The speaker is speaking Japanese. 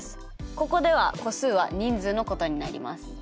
ここでは個数は人数のことになります。